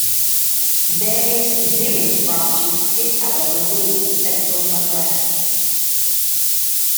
Various Zirid branches did however rule the central Maghreb.